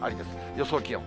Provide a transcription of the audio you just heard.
予想気温。